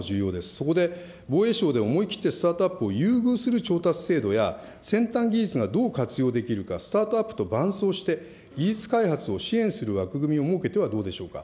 そこで防衛省で思い切ってスタートアップを優遇する調達制度や、先端技術がどう活用できるか、スタートアップと伴走して、技術開発を支援する枠組みを設けてはどうでしょうか。